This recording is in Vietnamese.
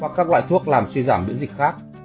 hoặc các loại thuốc làm suy giảm miễn dịch khác